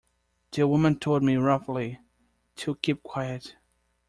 The woman told me roughly to keep quiet.